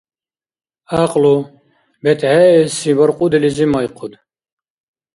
ГӀякьлу: бетхӀеэси баркьудилизи майхъуд.